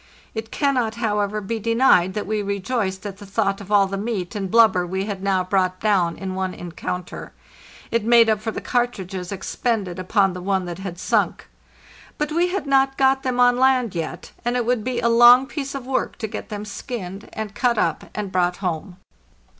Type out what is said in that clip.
It cannot, however, be denied that we rejoiced at the thought of all the meat and blubber we had now brought down in one encounter; it made up for the cartridges expended upon the one that had sunk. But we had not got them on land yet, and it would be a long piece of work to get them skinned and cut up and brought home.